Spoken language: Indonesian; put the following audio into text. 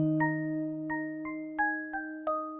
ini mbak mbak ketinggalan